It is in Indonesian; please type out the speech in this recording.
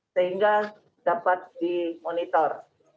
sehingga dapat dimonitor